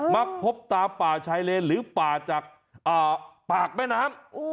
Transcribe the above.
มักพบตาป่าชายเลนหรือป่าจากปากแม่น้ำ